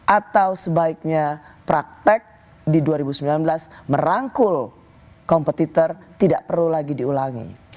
atau sebaiknya praktek di dua ribu sembilan belas merangkul kompetitor tidak perlu lagi diulangi